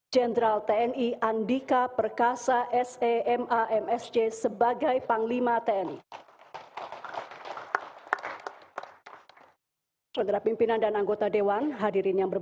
jenderal tni andika perkasa semamsj sebagai panglima tni